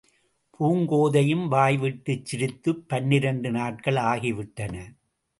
பூங்கோதையும் வாய்விட்டுச் சிரித்துப் பன்னிரண்டு நாட்கள் ஆகிவிட்டன.